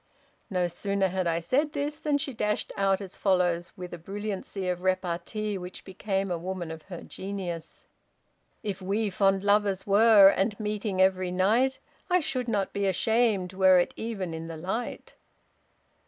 No sooner had I said this than she dashed out as follows with a brilliancy of repartee which became a woman of her genius: 'If we fond lovers were, and meeting every night, I should not be ashamed, were it even in the light!'